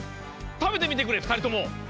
食べてみてくれふたりとも！